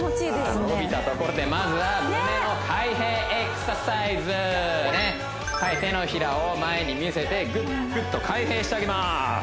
伸びたところでまずは胸の開閉エクササイズはい手のひらを前に見せてグッグッと開閉してあげます